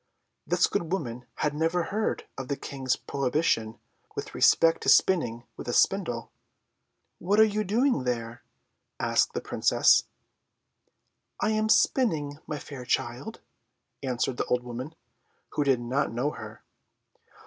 This good woman had never heard of the King's prohibition with respect to spinning with a spindle. "What are you doing there?" asked the Princess. "I am spinning, my fair child," answered the old woman, who did not know her.